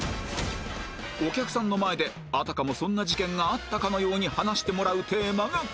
お客さんの前であたかもそんな事件があったかのように話してもらうテーマがこちら